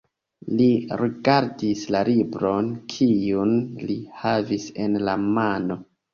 Li rigardis la libron, kiun li havis en la mano.